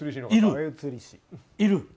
いる？